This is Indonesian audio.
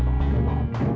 nih lu ngerti gak